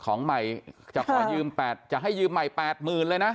ของใหม่จะให้ยืมใหม่๘๐๐๐๐เลยนะ